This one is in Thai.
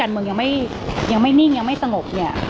เมืองยังไม่นิ่งยังไม่สงบเนี่ย